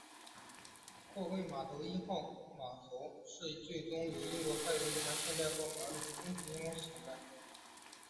货柜码头一号码头最后由英资太古集团的现代货箱码头有限公司承办。